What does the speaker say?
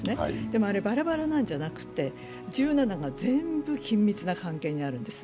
でもあれ、バラバラなんじゃなくて１７が全部緊密な関係にあるんです。